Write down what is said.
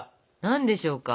何でしょうか？